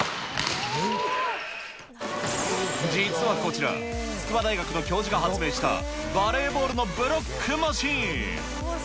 実はこちら、筑波大学の教授が発明したバレーボールのブロックマシン！